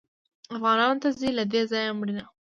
افغانانو ته ځي له دې ځایه مړینه